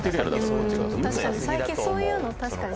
最近そういうの確かに。